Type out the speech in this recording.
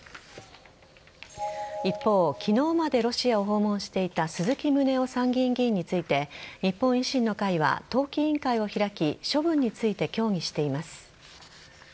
一方、昨日までロシアを訪問していた鈴木宗男参議院議員について日本維新の会は党紀委員会を開き処分について協議しています。